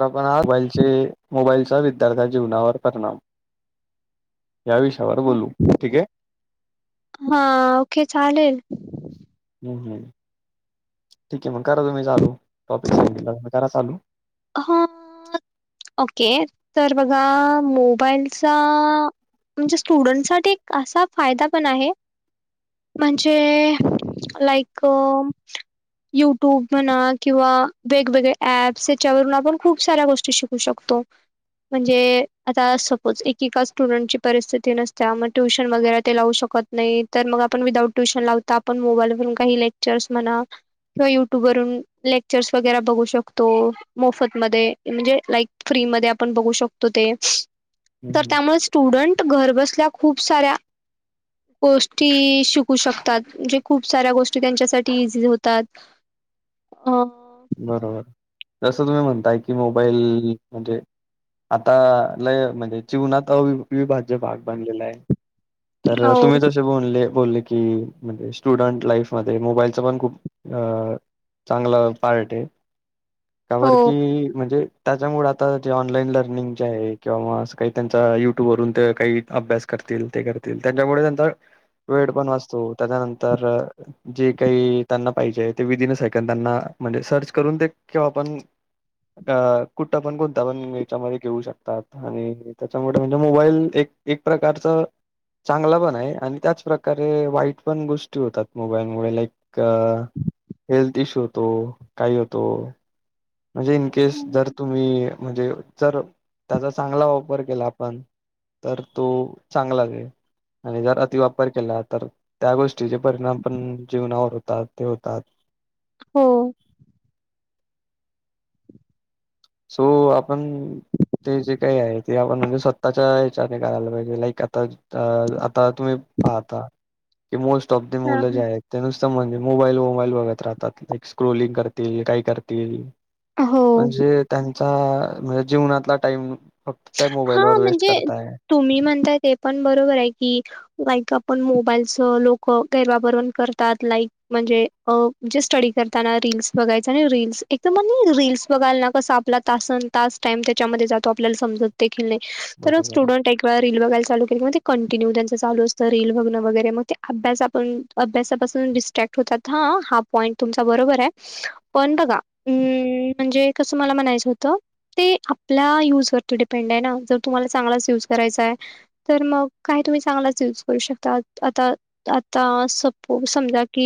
णबालचे मोबाईलचा विद्यार्थ्या जीवनावर परिणाम या विषयावर बोलू ठीक आहे हा ओके चालेल हम् हम् ठीक आहे मग करा तुम्ही चालू टॉपिक सांगितलं करा चालू ह ओके तर बघा मोबाईलचा म्हणजे स्टुडंटसाठीठी असा फायदा पण आहे म्हणजे लाईक युट्यूब म्हणा किंवा वेगवेगळे ऍप्स त्याच्यावरून आपण खूप साऱ्या गोष्टी शिकू शकतो म्हणजे आता सपोज एकेका स्टुडंटची परिस्थिती नसत मग ट्युशन वगैरे ते लावू शकत नाही तर मग आपण विदाउट ट्युशन लावता आपण मोबाईलवरून काही लेक्चर्स म्हणा किंवा युट्यूब वरून लेक्चर्स वगैरे बघू शकतो मोफत म म्हणजे लाईक फ्री म आपण बघू शकतो ते हं, तर हं. त्यामुळेच स्टूडेंट घरबसल्या खूप साऱ्या,, गोष्टी शिकू शकतात म्हणजे खूप साऱ्या गोष्टी त्यांच्यासाठी इझी होतात हा बरोबर जसं तुम्ही म्हणताय की मोबाईल म्हणजे आता लय म्हणजे जीवनात अविविभाज्य भाग बनलेला आहे हो तर तुम्ही तर बोले की म्हणजे स्टुडंट लाईफ मधे मोबाईलच पण खूप चांगलं पार्ट आहे हो काबर कि म्हणजे त्याच्यामुळे आता जे ऑनलाईन लर्निंग जे आहे किंवा अस काही त्यांचा युट्यूब वते काही अभ्यास करतील ते करतील त्याच्यामुळे त्यांचा वेळ पण वाचतो त्याच्यानंतर जे काही त्यांना पाहिजे ते विदिन सेकंड त्यांना म्हणजे सर्च करून ते आपण अ कुठं पण कोणता पण याच्यामध्ये घेऊ शकतात आणि त्याच्यामुळे म्हणजे मोबाईल एक एक प्रकारच चांगला पण आहे आणि त्याचप्रकारे वाईट पण गोष्टी होतात मोबाईलमुळे लाईक हेल्थ इश्यू होतो काही होतो म्हणजे इनकेस जर तुम्ही म्हणजे जर त्याचा चांगला वापर केला आपण तर तो चांगलंच आहे आणि जर अतिवापर केला तर त्या गोष्टीचे परिणाम पण जीवनावर होतात ते होतात- हो सो आपण ते जे काही आहे ते आपण म्हणजे स्वतःच्या ह्याच्याने करायला पाहिजे लाईक आता अ आता तुम्ही पाहता की मोस्ट ऑफ द मुलं जे आहेत त्या नुसत म्हणजे मोबाईल मोबाईल बघत राहतात लाईक स्क्रोलिंग करतीलयेई काही करतील येई हो म्हणजे त्यांचा म्हणजे जीवनातला टाइम फक्त त्या हा मोबाईल वर वेस्ट म्हणजे करताय तुम्ही म्हणताय ते पण बरोबर आहे की बायका पण मोबाईलच लोक गैरवापर पण करतात लाईक म्हणजे अ म्हणजे स्टडी करताना रीलस बघायच आणि रील्स एक तर म्ह रीलस बघाय ना कसं आपला तासन तास टाईम त्याच्यामध्ये जातो आपल्याला समजत देखील नाही तर बरोबर आहे. स्टूडेंट रील बघायला चालू केली मग ते कंटिन्यू त्यांच लू असतं रील बघण वगैर मग ते अभ्यास आपण अभ्यासापासून डिस्ट्रॅक्ट होतात हा हा पॉईंट तुमचा बरोबर आहे पण बघा अम् म्हणजे कसं मला म्हणायचं होतं ते आपल्या यूजवरती डिपेंड आहे ना जर तुम्हाला चांगलाच युज करायचा आहे तर मग काय तुम्ही चांगलाच यूज करू शकता आता आता सपोज समजा की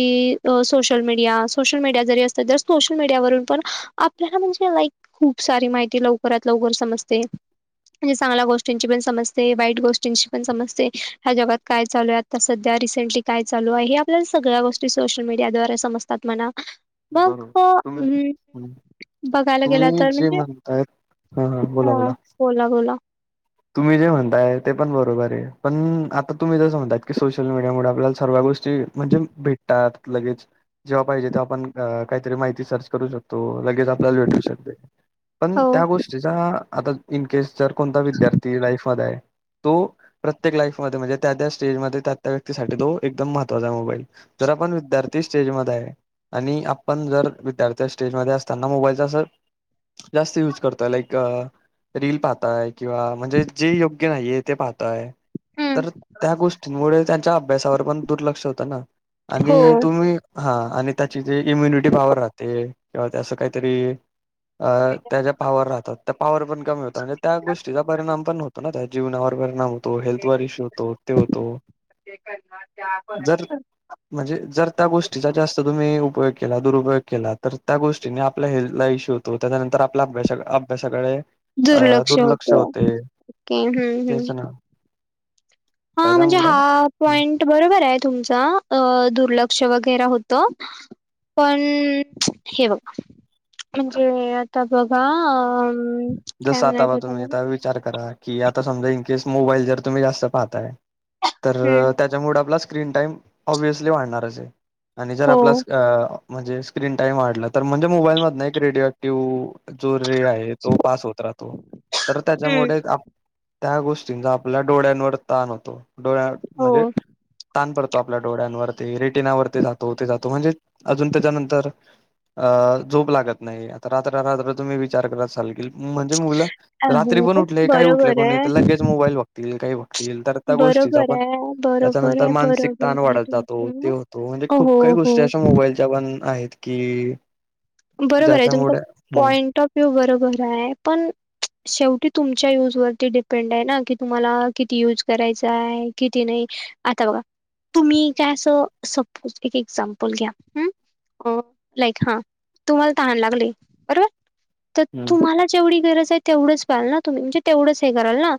सोशल मीडिया सोशल मीडिया जरी असत सोशल मीडियावरून पण आपल्याला म्हणजे लाईक खूप सारी माहिती लवकरात लवकर समजते म्हणजे चांगल्या गोष्टींची पण समजते वाईट गोष्टींची पण समजते ह्या जगात काय चालू आहे तर सध्या रिसेंटली काय चालू आहे हे आपल्याला सगळ्या गोष्टी सोशल मीडिया द्वारे समजतात मणा मग बरोबर तुम हम्म. हम बघायला गेला तुम्ही तर जे म्हणजे म्हणताय हा बोला हा बोला. बोला बोला तुम्ही जे म्हणताय ते पण बरोबर आहे पण आता तुम्ही जसं म्हणतात की सोशल मीडिया मुले आपल्याला सगळे गोष्टी म्हणजे भेटतात लगेच जेव्हा पाहिजे तेव्हा आपण काहीतरी माहिती सर्च करू शकतो लगेच आपल्याला भेटू शकते पण हो त्या गोष्टीचा आता इनकेस जर कोणता विद्यार्थी लाईफ मध आहे तो प्रत्येक लाईफमध्ये म्हणजे त्या त्या स्टेजमध्ये त्या त्या व्यक्तीसाठी तो एकदम महत्त्वाचा मोबाईल जर आपण विद्यार्थी स्टेज मध्ये आहे आणि आपण जर विद्यार्थी स्टेजमध्ये असताना मोबाईलचा जर जास्त यूज करतोय लाईक रील पाहताय किंवा म्हणजे जे योग्य नाहीये ते पाहताय तर त्या गोष्टींमुळे त्यांच्या अभ्यासावर पण दुर्लक्ष होतं ना हो आणि तुम्ही,, हा आणि त्याची जे इम्युनिटी पावर राहते किंवा त्या असं काहीतरी अ त्याच्या्या पावर राहतात त्या पावर पण कमी होतात म्हणजे त्या गोष्टीचा परिणाम पण होतो ना त्या जीवनवर परीणाम होते हेल्थ वर इशू होतो ते होतो जर म्हणजे जर त्या गोष्टीचा जास्त तुम्ही उपयोग केला दुरुपयोग केला तर त्या गोष्टीने आपल्या हेल्थला इश्यू तो त्याच्यानंतर आपल्या अभ्यासा अभ्यासाकडे दुर्लक्ष होतं ते तेचण [unintelligible] हा म्हणजे हा पॉईंट बरोबर आहे तुमचा दुर्लक्ष वगैरे होत पण हे बघ म्हणजे आता बघा अ काय जस आता बगा म्हणायचं होतं तुम्ही मला विचार करा की आता समजा इन केेस मोबाईल जर तुम्ही जास्त पाहताय तर हम्म त्याच्यामुळे आपला स्क्रीन टाइम ऑबवि्हयसली वाढणारच आहे आणि जर हो आपला अ म्हणजे स्क्रीन टाइम वाढला तर म्हणजे मोबाईल मध एक रेडिओ ऍक्टिव्ह जो रे आहे तो पास होत राहतो तर हम्म त्याच्यामुळे त्या गोष्टींचा आपल्या डोळ्यांवर ताण होतो डोळ्या हो म्हणजे ताण पत आपल्या डोळ्यांवरती रेटिनावरती जातो ते जातो म्हणजे अजून त्याच्यानंतर अ झोप लागत नाही आता रात्र रात्र तुम्ही विचार करात सचालग म्हणजे मुलं रात्री पण हो उठले काही उठलेय बरोबर कोणी तर आहे लगेच मोबाईल बघतील काही बघ तर त्या गोष्टीचा बरोबर आपण आहे बरोबर त्याच्यानंतर आहे मानसिक बरोबर ताण आहे वाढत जातो ते तुमचं त म्हणजे खूप हो काही गोष्टी अशा हो मोबाईलच्या पण आहेत की बरोबर आहे तुमचा ज्याच्यामुळे हं, पॉइंट ऑफ व्ह्यू बरोबर आहे पण शेवटी तुमच्या यूजवररती डिपेंड आहे ना कि तुम्हाला किती युज करायचा आहे किती नाही आता बघ तुम्ही काय असं सपोज एक एक्झाम्पल घ्या लाईक हा तुम्हाला तहान लागले बरोबर तर हं, तुम्हाला जेवढी गरज आहे तेवढंच पहिल ना तुम् म्हणजे तेवढंच हे कराल ना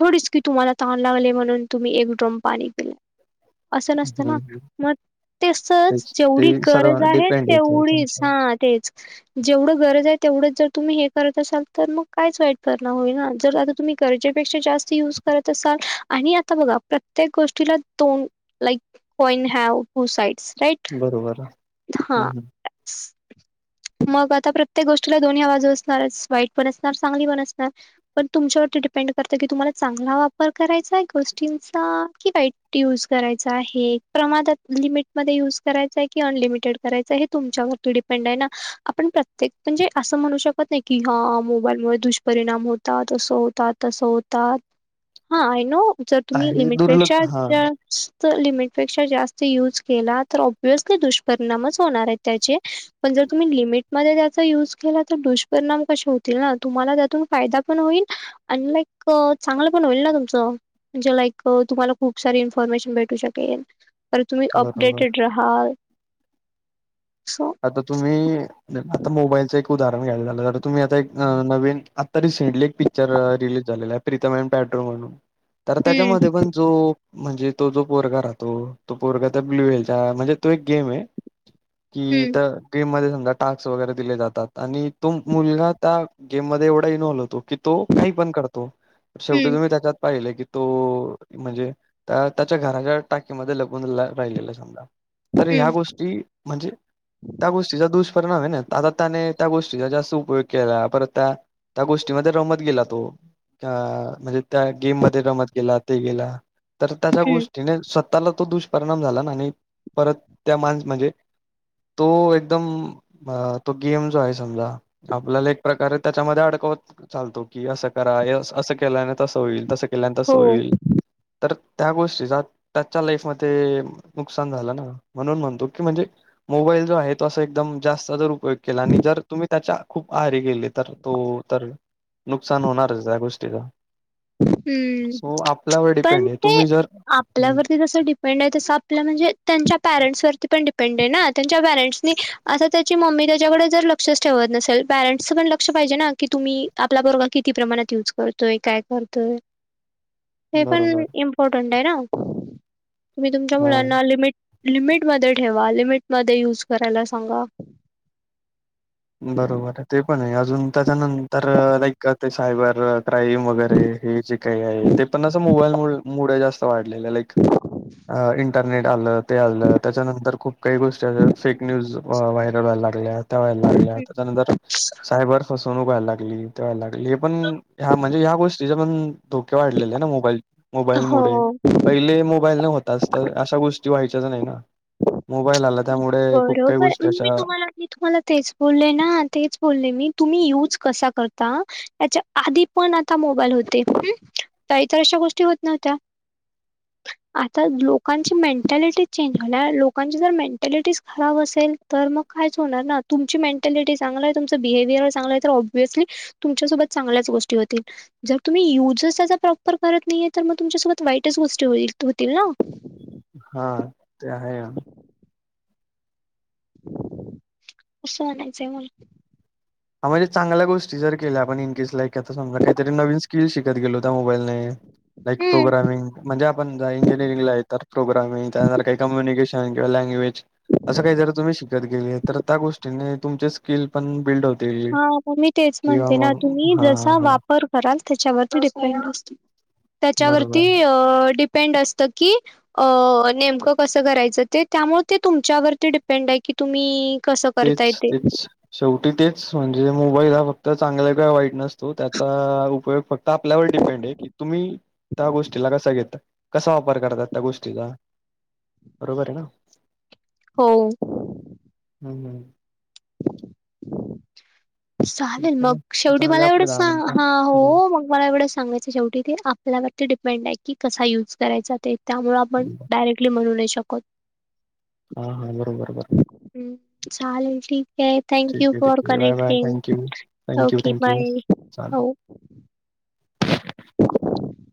थोडीच क तुम्हाला तहाण लागले म्हणून तुम्ही एक ड्रम पाणी दिले असं नसतं ना हं, हं. मग तसच तेच ते जेवढी सर्व गरज आहे डिपेंड येते तेवढीच त्यांच्यावर हा तेच जेवढं गरज आहे तेवढंच जर तुम्ही हे करत असाल तर मग कायच वाईट परिणाम होईल ना जर आता तुम्ही गरजेपेक्षा जास्त युज करत असा आणि आता बघा प्रत्येक गोष्टीला दोन like कइन have two sides right बरोबर हम् ह ह मग आता प्रत्येक गोष्टीला दोन्ही आवाज असणारच वाईट पण असणार चांगली पण असणार पण तुमच्यावरती डिपेंड करत की तुम्हाला चांगला वापर करायचा आहे गोष्टींचा कि वाईट युज करायचा आहे प्रमादात लिमिट मध्ये युज करायचाय की अनलिमिटेड करायचय हे तुमच्यावरती आप प्रत्येक म्हणजे अस म्हण शकत नाही की ह मोबाईल दुष्परिणाम हो होतात तस होतात हाय नो ज तुम्ही आहे लिमिटपेक्षा दुर्लक्ष हां, लिमिटपेक्षा जास्त युज केला तर ऑब्वियसली दुष्परिणामच होणार आहेत त्याचे पणर त लिमि त्या य के दुष्पिणाम क होतील ना तुम्हाला त्यातून फायदा पण होईल आणि लाईक चांगलं पण होईल ना तुमचं म्हणजे लाईक तुम्हाला खूप सारी इनफॉर्मेशन भेटू शकेल अरे तुम्ही बरोबर. अपडेटेड राहाल सो आता तुम्ही आता मोबाईलचं एक उदाहरण घ्यायला झालं तुम्ही आता नवीन आता रिसेंटली एक पिक्चर रिलीज झालेलं आहे प्रीतम प पाॅड्रो म्हणून तर हम्म त्याच्यामध्ये पण जो म्हणजे तो जो पोरगा राहतो तो पोरगा त्या ब्लू वलचा म्हणजे तो एक गेम आहे कि हम्म तर गेम मध्ये समजा टास्क वगैरे दिले जातात आणि तो मुलगा त्या गेम मध्ये एवढा इनवॉल्व होतो की तो काही पण करतो शेवटी हम्म तुम्ही त्याच्यात पाहिलं की तो म्हणजे त्याच्या घराच्या टाकीमध्ये लगून राहिलेला समजा तर ह्या हम्म गोष्टी म्हणजे त्या गोष्टीचा दुष्परिणाम आहे ना आता त्याने त्या गोष्टीचा जास्त उपयोग केला परत त्या त्या गोष्टीमध्ये रमत गेला तो अ म्हणजे त्या गेम मध्ये रमत गेला ते गेला तर त्याच्या हम्म गोष्टीने स्वतःला तो दुष्परिणाम झाला ना आणि परत त्या माणस म्हणजे तो एकदम अ तो गेम जो आहे समजा आपल्याला एक प्रकारे त्याच्यामध्ये अडकवत चालतो की असं करा असं केलाने तसं होईल तसं केल्याने तसं हो होईल तर त्या गोष्टीचा त्याच्या लाईफमध्ये नुकसान झालं ना म्हणून म्हणतो की म्हणजे मोबाईल जो आहे तो अस एकदम जास्त जर उपयोग केला आणि जर तुम्ही त्याच्या खूप आहारी गेली तर तो तर नुकसान होणारच त्या गोष्टीचा हम्म सो आपल्यावर पण डिपेंड आहे ते तुम्ही जर हम्म, आपल्यावरती तस म्हण तसं आपलं म्हणजे त्यांच्या पॅरेंट्सवरती पण डिपेंड आहे ना त्यांच्या पॅरेंट्सनी असता त्याची मम्मी त्याच्याकडे जर लक्षच ठेवत नसेल पॅरेंटसचं पण लक्ष पाहिजे ना की तुम्ही आपला बरोबर किती प्रमाणात युज करतोय काय करतो हे बरोबर पण इम्पॉर्टंट आहे ना तुम्ही तुमच्या हा मुलांना लिमिट लिमिटमध्ये ठेवा लिमिटमध्ये युज करायला सांगा बरोबर आहे ते पण आहे अजून त्याच्यानंतर लाईक ते सायबर क्राईम वगैरे हे जे काही आहे ते पण असं मोबाईल मु जास्त वाढ लाक इंटरनेट आलं ते आलं त्याच्यानंतर खूप काही गोष्टी फेक न्यूज व्हायरल व्हायला लागल्या त्या व्हायला लाग च्यानंतर साहेबर ू व्हायला लागली ते व्हायला लागली पण ह म्हणजे ह्या गोष्टी पण धोके वाढले ना मोबाईल मोबाईल मु हो पहिले मोबाईल नाही होताच तर अशा गोष्टी व्हायच्याच नाही ना मोबाईल आला त्यामुळे खूप काही बरोबर गोष्टी मी अशा तुम्हाला मी तुम्हाला तेच बोलले ना तेच बोलले मी तुम्ही युज कसा करता त्याच्या आधी पण आता मोबाईल होते काहीतर अशा गोष्टी होत नव्हत्या आता लोकांची मेंटॅलिटी चेंज हो लोकांची जरें खब असेल तर मग काही होणार ना तुमची मेंटॅलिटी चांग तुम बहेयर चांग ली तुमच्यासोबत चांगल्याच गोष्टी होतील जर तुम्ही युज त्याचा प्रॉपर करत नाहीे तर मग तुमच्यासोबत वाईटच गोष्टी होतील ना हा ते आहे ना कसं म्हनायच आहे म्हण हा म्हणजे चांगल्या गोष्टी ज केल्या आपण इन केस लाईक आता समजा काहीरी नवीन किल शिकत गेलो होता मोबाईलने लाईक हम्म प्रोग्रामिंग म्हणजे आपण इंजिनिअरिंगला आहे तर प्रो्रामिंग त्यांत काही कम्यिकेश अस काही तम्ही श गे तर त्या गो तुम स्कि पण बिल्ड हो हा मग मी तेच म्हणते ना तुम्ही हा जसा हा वापर खरा त्याच्यावरती डिपेंड असत बरोबर त्याच्यावरती डिपेंड असत की अ नेमकं कसं करायचं ते त्यामुळे ते तुमच्यावरती डिपेंड आहे की तुम्ही कसं तेच करताय ते तेच शेवटी तेच म्हणजे मोबाईल हा फक्त चांगला कािय वाईट नसतो त्याचा उपयोग फक्त आपल्यावर डिपेंड आहे की तुम्ही त्या गोष्टीला कसा घेता कसा वापर करतात त्या गोष्टीचा बरोबर आहे ना हो हम् हम ठीक चालेल आहे मग शेवटी झाले मला एवढं आपले दहा सां मिनिटं. हा हो हम्म मग मला एवढंच सांगायचं शेवटी आपल्यावरती डिपेंड आहे की कसा युज करायचा ते त्यामुळे आपण हम्म. डायरेक्टली म्हणू नाही शकत हा हा बरोबर बरोबर हम्म चालेल ठीक आहे थँक ठीक यू आहे ट ठीक आहे बाय बाय थँक्यू क थँक्यू बाय थँक्यू चालेल. [inaudible]